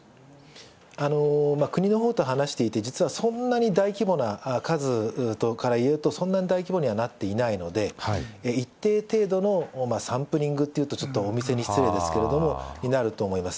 国のほうと話していて、実はそんなに大規模な数からいうと、そんなに大規模にはなっていないので、一定程度のサンプリングというとちょっとお店に失礼ですけれども、になると思います。